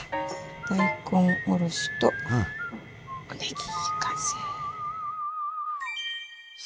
大根おろしとおねぎ完成。